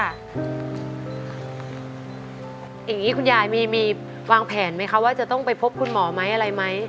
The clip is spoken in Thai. อย่างงี้คุณยายมีวางแผนมั้ยคะว่าจะต้องไปพบคุณหมอมั้ยอะไรมั้ย